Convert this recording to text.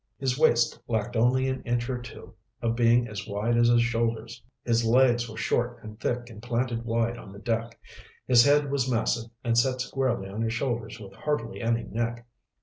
His waist lacked only an inch or two of being as wide as his shoulders. His legs were short and thick and planted wide on the deck. His head was massive and set squarely on his shoulders with hardly any neck.